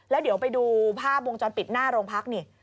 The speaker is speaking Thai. แล้วเดี๋ยวไปดูภาพวงจรปิดหน้าโรงพักนี่